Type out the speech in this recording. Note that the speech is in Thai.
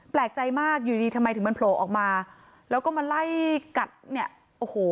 แปลกใจมากอยู่ดีทำไมถึงมันโผล่ออกมาแล้วก็มาไล่กัดเนี่ยโอ้โห